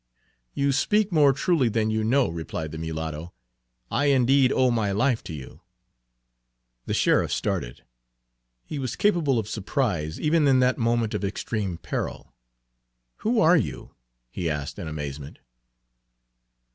"You speak more truly than you know," replied the mulatto. "I indeed owe my life to you." The sheriff started. He was capable of surprise, even in that moment of extreme peril. "Who are you?" he asked in amazement.